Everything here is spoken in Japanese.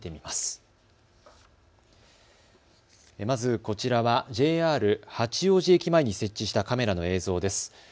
まず、こちらはＪＲ八王子駅前に設置したカメラの映像です。